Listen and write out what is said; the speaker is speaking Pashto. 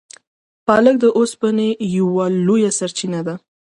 پالک د اوسپنې یوه لویه سرچینه ده.